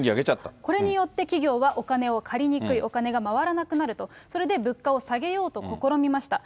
これによって企業はお金を借りにくい、お金が回らなくなると、それで物価を下げようと試みました。